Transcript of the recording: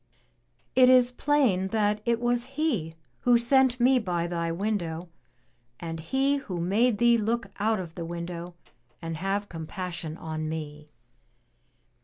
"It is plain that it was He who sent me by thy window, and He who made thee look out of the window and have compassion on me."